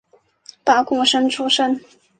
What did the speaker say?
拔贡生出身。